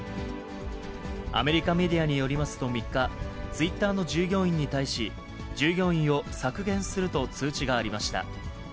アメリカメディアによりますと３日、ツイッターの従業員に対し、従業員を削減すると通知がありました。